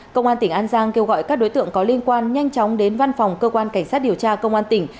công an tỉnh an giang kêu gọi các đối tượng có liên quan nhanh chóng đến văn phòng cơ quan cảnh sát điều tra công an tỉnh